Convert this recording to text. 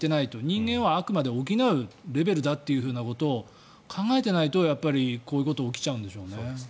人間はあくまで補うレベルだということを考えていないと、こういうことが起きちゃうんでしょうね。